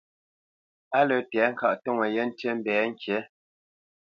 Á lə́ tɛ̌ŋkaʼ ntoŋə yé ntî mbɛ̌ ŋkǐ.